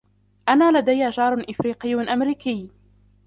أنا لدي جار أفريقي-أمريكي.